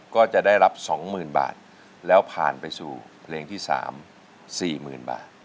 ก็จะได้รับสองหมื่นบาทแล้วผ่านไปสู่เพลงที่สามสี่หมื่นบาท